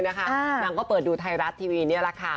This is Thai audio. นางก็เปิดดูไทยรัฐทีวีนี่แหละค่ะ